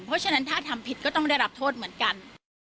เพราะฉะนั้นถ้าทำผิดก็ต้องได้รับโทษเหมือนกัน